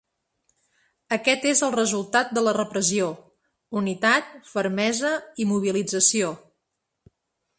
Aquest és el resultat de la repressió: unitat, fermesa i mobilització!